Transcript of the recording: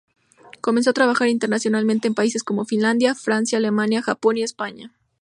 Comenzó a trabajar internacionalmente en países como Finlandia, Francia, Alemania, Japón y España.